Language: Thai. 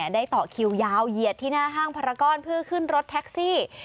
ได้ต่อคิวยาวเหยียดที่หน้าห้างพารากรเพื่อขึ้นรถแท็กซี่